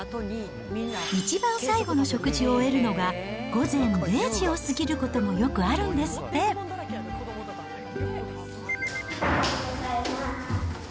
一番最後の食事を終えるのが、午前０時を過ぎることもよくあるんおはようございます。